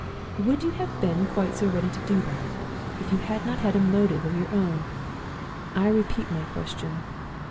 Would you have been quite so ready to do that if you had not had a motive of your own? I repeat my question.